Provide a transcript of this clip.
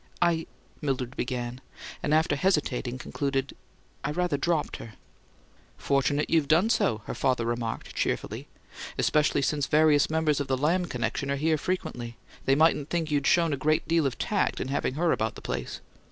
"I " Mildred began; and, after hesitating, concluded, "I rather dropped her." "Fortunate you've done so," her father remarked, cheerfully. "Especially since various members of the Lamb connection are here frequently. They mightn't think you'd show great tact in having her about the place."